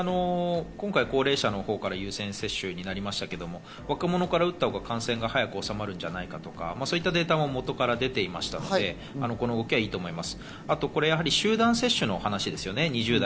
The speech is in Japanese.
理由として今回、高齢者のほうから優先接種になりましたけど、若者から打ったほうが感染が早く収まるんじゃないかとか、そういうデータも元から出ていましたのでいいと思います。